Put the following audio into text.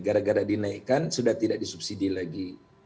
gara gara dinaikkan sudah tidak disubsidi lagi